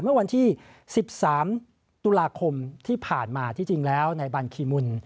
เมื่อวันที่๑๓ตุลาคมที่ผ่านมาที่จริงแล้วในบัญคีมุน